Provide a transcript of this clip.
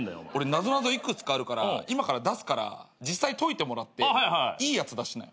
なぞなぞ幾つかあるから今から出すから実際解いてもらっていいやつ出しなよ。